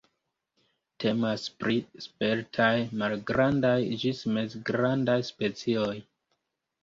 Temas pri sveltaj, malgrandaj ĝis mezgrandaj specioj.